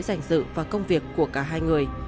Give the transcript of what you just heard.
giành dự và công việc của cả hai người